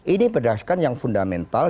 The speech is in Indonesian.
ini berdasarkan yang fundamental